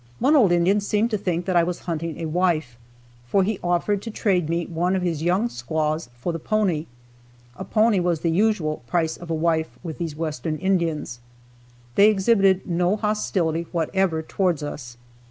One old Indian seemed to think that I was hunting a wife, for he offered to trade me one of his young squaws for the pony. A pony was the usual price of a wife with these Western Indians. They exhibited no hostility whatever toward us.